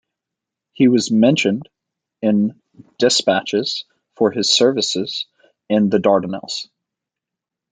He was Mentioned in Despatches for his services in the Dardanelles.